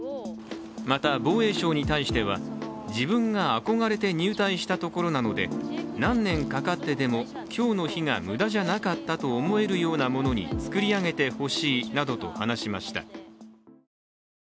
また、防衛省に対しては自分が憧れて入隊したところなので何年かかってでも今日の日が無駄じゃなかったと思えるものに作り上げてほしいなどと話しました。